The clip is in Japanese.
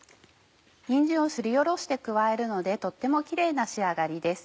にんじんをすりおろして加えるのでとってもキレイな仕上がりです。